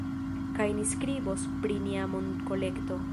Kaj ni skribos pri nia monkolekto